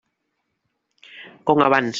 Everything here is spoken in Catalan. Com abans.